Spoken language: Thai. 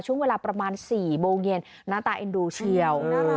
ช่วงเวลาประมาณ๔โมงเย็นหน้าตาเอ็นดูเชียว